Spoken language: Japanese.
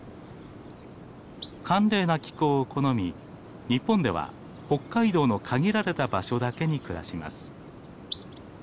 寒冷な気候を好み日本では北海道の限られた場所だけに暮らします。